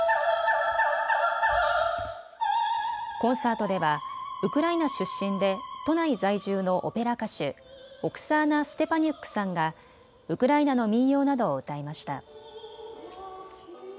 コンサートではウクライナ出身で都内在住のオペラ歌手、オクサーナ・ステパニュックさんがウクライナの民謡などを歌いました。